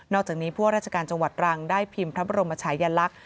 อกจากนี้พวกราชการจังหวัดรังได้พิมพ์พระบรมชายลักษณ์